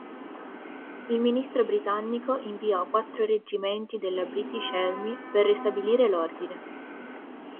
Il ministro britannico inviò quattro reggimenti della "British Army" per ristabilire l'ordine.